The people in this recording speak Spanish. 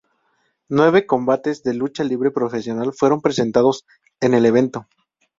Nueve combates de lucha libre profesional fueron presentados en el evento.